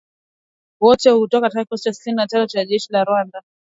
Wote kutoka kikosi cha sitini na tano cha jeshi la Rwanda.